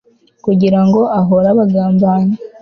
kugira ngo ahore abagambanyi